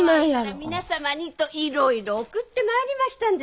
皆様にといろいろ送ってまいりましたんです。